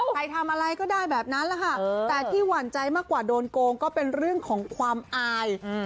ใครทำอะไรก็ได้แบบนั้นแหละค่ะแต่ที่หวั่นใจมากกว่าโดนโกงก็เป็นเรื่องของความอาย